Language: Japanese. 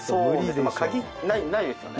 鍵ないですよね。